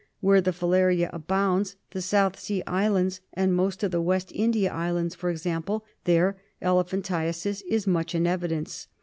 Where the filaria abounds, the South Sea Islands, and most of the West India Islands, for example, there elephantiasis is much in evidence.